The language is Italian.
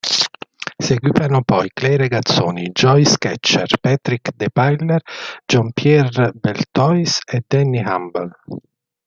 Seguivano poi Clay Regazzoni, Jody Scheckter, Patrick Depailler, Jean-Pierre Beltoise e Denny Hulme.